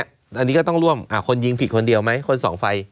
อันนี้ก็ต้องร่วมคนยิงผิดคนเดียวไหมคนสองไฟ